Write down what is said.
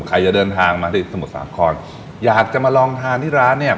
ใครจะเดินทางมาที่สมุทรสาครอยากจะมาลองทานที่ร้านเนี่ย